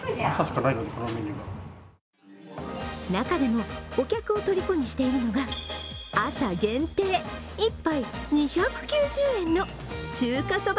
中でもお客をとりこにしているのが、朝限定１杯２９０円の中華そば